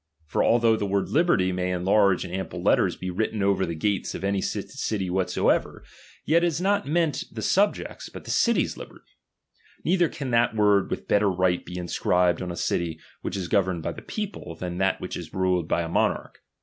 For although the word liberty may in large and ample letters be written over the gates of any city whatsoever, yet is it not meant the subject's, but the city's liberty ; Ither can that word with better right be inscribed coaei on a city which is governed by the people, than /—'~ that whichis ruled by a monarch.